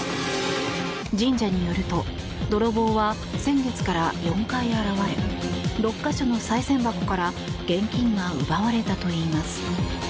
神社によると泥棒は先月から４回現れ６か所のさい銭箱から現金が奪われたといいます。